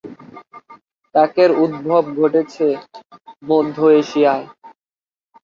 কাকের উদ্ভব ঘটেছে মধ্য এশিয়ায়।